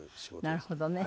なるほどね。